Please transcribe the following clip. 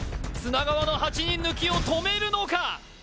砂川の８人抜きを止めるのか？